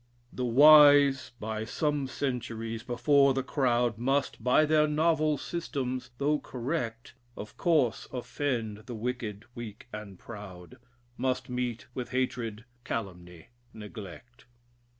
"The wise by some centuries before the crowd, Must, by their novel systems, though correct, Of course offend the wicked, weak, and proud, Must meet with hatred, calumny, neglect."